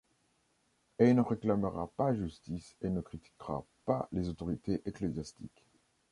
Elle ne réclamera pas justice et ne critiquera pas les autorités ecclésiastiques.